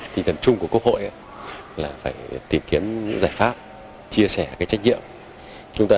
thì tầm trung của quốc hội là phải tìm kiếm giải pháp chia sẻ cái trách nhiệm